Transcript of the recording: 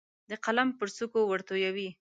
د قلم پر څوکو ورتویوي